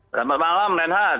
selamat malam lenhard